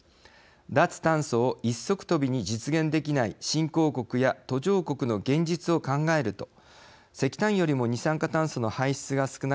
脱炭素を一足飛びに実現できない新興国や途上国の現実を考えると石炭よりも二酸化炭素の排出が少なくて済む